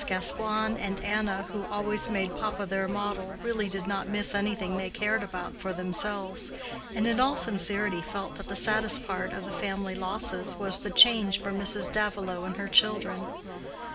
Gascoigne and Anna, who always made papa their model, really did not miss anything they cared about for themselves, and in all sincerity felt that the saddest part of the family losses was the change for Mrs. Davilow and her children.